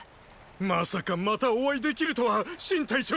まさかまたお会いできるとは信隊長！